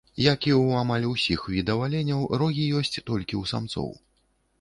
Як і ў амаль усіх відаў аленяў, рогі ёсць толькі ў самцоў.